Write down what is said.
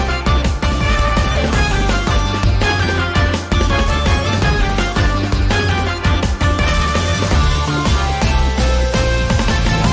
กลับมาไฟล็อคไว้เลยนะครับโทรศัพท์